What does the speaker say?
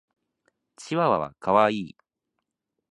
チワワは可愛い。